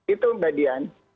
itu mbak dian